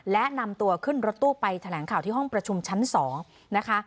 และนำตัวขึ้นรถตู้ไปแถลงข่าวที่ห้องประชุมชั้น๒นะคะ